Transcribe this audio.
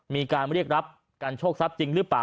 มีการเรียกรับการโชคทรัพย์จริงหรือเปล่า